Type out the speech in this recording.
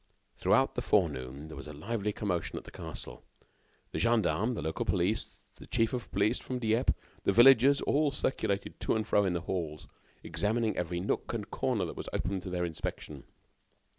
Throughout the forenoon there was a lively commotion at the castle. The gendarmes, the local police, the chief of police from Dieppe, the villagers, all circulated to and fro in the halls, examining every nook and corner that was open to their inspection.